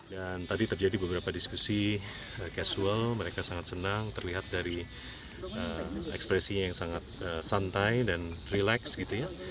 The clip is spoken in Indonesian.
dan tadi terjadi beberapa diskusi casual mereka sangat senang terlihat dari ekspresinya yang sangat santai dan relax gitu ya